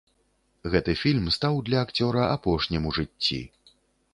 Гэты фільм стаў для акцёра апошнім у жыцці.